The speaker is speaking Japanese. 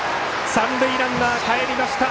三塁ランナーかえりました！